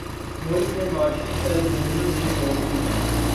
ملک میں معاشی سرگرمی نہیں ہو گی۔